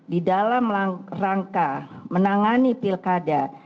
di dalam rangka menangani pilkada